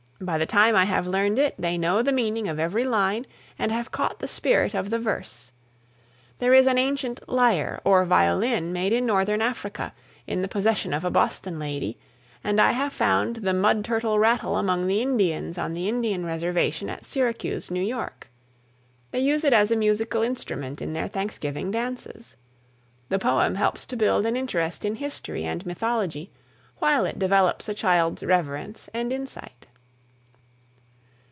By the time I have learned it they know the meaning of every line and have caught the spirit of the verse. There is an ancient "lyre," or violin, made in northern Africa, in the possession of a Boston lady, and I have found the mud turtle rattle among the Indians on the Indian reservation at Syracuse, New York. They use it as a musical instrument in their Thanksgiving dances. The poem helps to build an interest in history and mythology while it develops a child's reverence and insight.